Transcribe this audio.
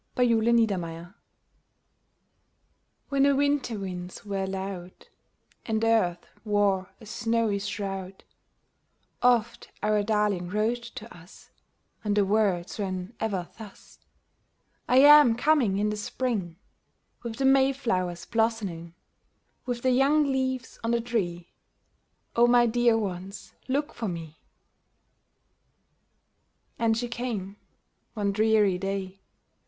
COMING HOME When the winter winds were loud, And Earth wore a snowy shroud, Oft our darling wrote to us, And the words ran ever thus —*' I am coming in the spring ! With the mayflower's blossoming. With the young leaves on the tree, O my dear ones, look for me !" And she came. One dreary day.